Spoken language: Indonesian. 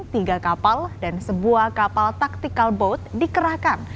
tiga kapal dan sebuah kapal taktikal boat dikerahkan